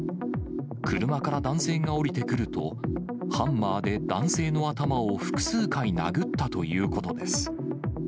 車から男性が降りてくると、ハンマーで男性の頭を複数回、殴ったということです。